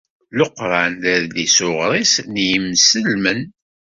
Leqran d adlis uɣris n yimselmen.